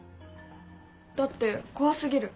だって怖すぎる。